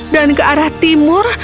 dan ke arah timur